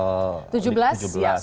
ya sepuluh hari lagi